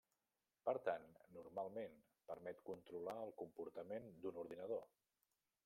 Per tant, normalment, permet controlar el comportament d'un ordinador.